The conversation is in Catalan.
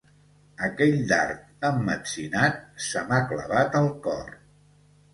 Aquell dard emmetzinat se m'ha clavat al cor.